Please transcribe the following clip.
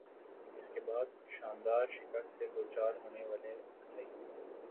اس کے بعد "شاندار"شکست سے دوچار ہونے والے بھائی